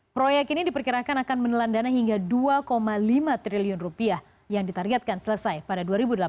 proyek ini diperkirakan akan menelan dana hingga dua lima triliun rupiah yang ditargetkan selesai pada dua ribu delapan belas